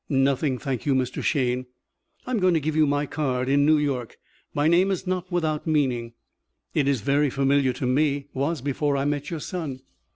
"Nothing. Thank you, Mr. Shayne." "I'm going to give you my card. In New York my name is not without meaning." "It is very familiar to me. Was before I met your son."